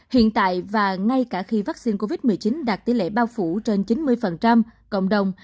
hiện tại và ngay cả khi vaccine covid một mươi chín đạt tỷ lệ bao phủ trên chín mươi cộng đồng